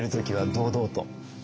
堂々と？